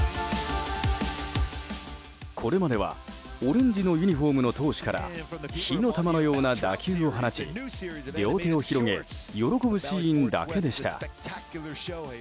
これまではオレンジのユニホームの投手から火の玉のような打球を放ち両手を広げ喜ぶシーンだけでした。